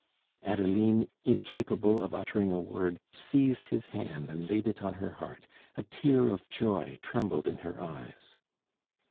Adeline, incapable of uttering a word, seized his hand and laid it on her heart; a tear of joy trembled in her eyes.